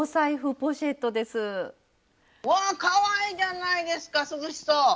わぁかわいいじゃないですか涼しそう！